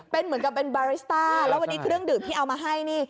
เป็นเหมือนกับเป็นบาริสต้าแล้ววันนี้เครื่องดื่มที่เอามาให้นี่